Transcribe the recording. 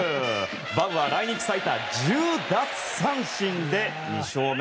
バウアー、来日最多の１０奪三振で２勝目。